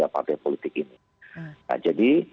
partai politik ini nah jadi